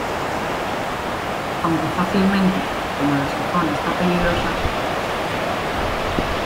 aunque fácilmente, como la sazón está peligrosa...